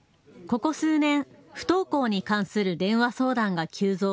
ここ数年、不登校に関する電話相談が急増。